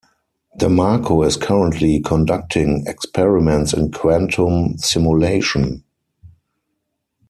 DeMarco is currently conducting experiments in quantum simulation.